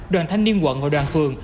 đoàn thanh niên quận ở đoàn phường